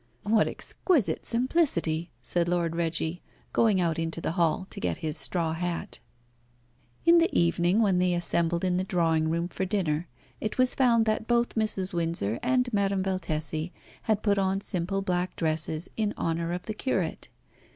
"What exquisite simplicity!" said Lord Reggie, going out into the hall to get his straw hat. In the evening, when they assembled in the drawing room for dinner, it was found that both Mrs. Windsor and Madame Valtesi had put on simple black dresses in honour of the curate.